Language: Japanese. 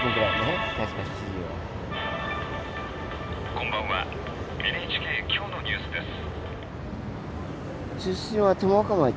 ⁉「こんばんは『ＮＨＫきょうのニュース』です」。